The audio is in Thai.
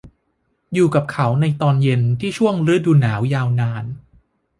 อยู่กับเขาในตอนเย็นที่ช่วงฤดูหนาวยาวนาน